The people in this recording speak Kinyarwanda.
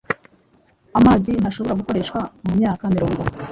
amazi ntashobora gukoreshwa mumyaka mirongo,